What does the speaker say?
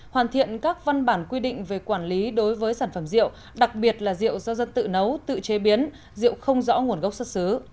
hoàn thiện các văn bản quy định về quản lý đối với sản phẩm rượu đặc biệt là rượu do dân tự nấu tự chế biến rượu không rõ nguồn gốc xuất xứ